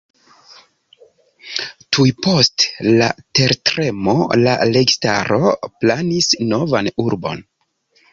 Tuj post la tertremo la registaro planis novan urbon.